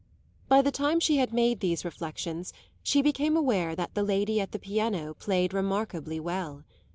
By the time she had made these reflexions she became aware that the lady at the piano played remarkably well.